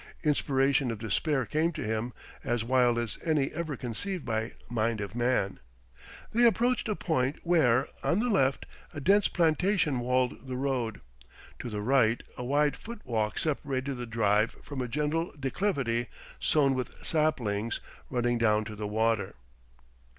Inspiration of despair came to him, as wild as any ever conceived by mind of man. They approached a point where, on the left, a dense plantation walled the road. To the right a wide foot walk separated the drive from a gentle declivity sown with saplings, running down to the water.